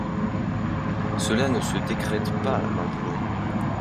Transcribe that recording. Cela ne se décrète pas, l’emploi